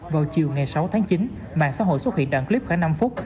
vào chiều ngày sáu tháng chín mạng xã hội xuất hiện đoạn clip cả năm phút